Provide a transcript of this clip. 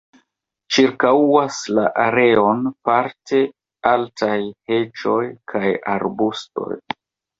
Ĉirkaŭas la areon parte altaj heĝoj kaj arbustoj.